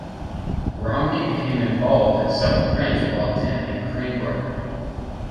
Romney became involved in several pranks while attending Cranbrook.